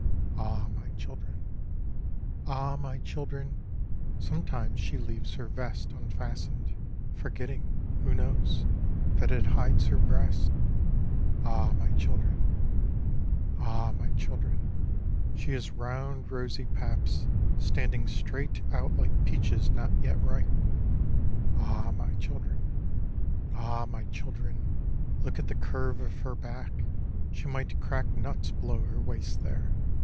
Ah I my children I Ah I my children I sometimes she leaves her vest unfastened, Forgetting — who knows ?— that it hides her breasts. Ah I my children ! Ah I my children I she has round rosy paps Standing straight out like peaches not yet ripe. Ah I my children I Ah I my children I look at the curve of her back ; She might crack nuts below her waist there.